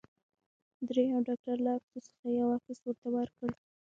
دریم ډاکټر له عکسو څخه یو عکس ورته ورکړ.